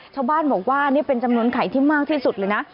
ชาวบ้านบอกว่านี่เป็นจำนวนไข่ที่มากที่สุดเลยนะ